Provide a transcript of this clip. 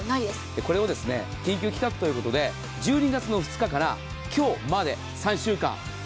これを緊急企画ということで１２月の２日から今日まで３週間。